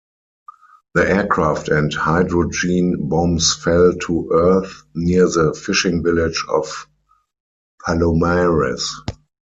The aircraft and hydrogen bombs fell to earth near the fishing village of Palomares.